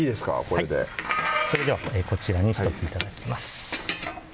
これでそれではこちらに１つ頂きます